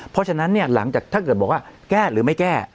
เพราะฉะนั้นเนี่ยหลังจากถ้าเกิดบอกว่าแก้หรือไม่แก้